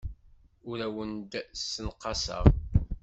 Ur awen-d-ssenqaseɣ.